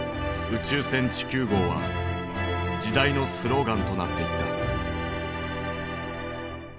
「宇宙船地球号」は時代のスローガンとなっていった。